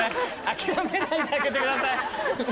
諦めないであげてください。